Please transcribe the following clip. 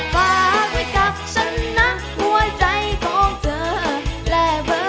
ฝากไว้กับฉันนะหัวใจของเธอและเบอร์